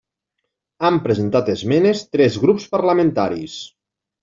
Han presentat esmenes tres grups parlamentaris.